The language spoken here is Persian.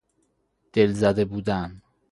دلزده بودن